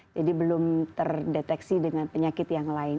jadi belum terdeteksi dengan penyakit yang lain